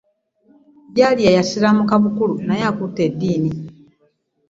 Jalia yasiramuka bukulu naye akutte eddiini.